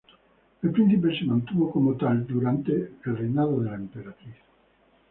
El príncipe se mantuvo como tal durante el reinado de la emperatriz.